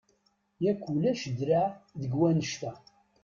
Yak ulac draɛ deg wannect-a!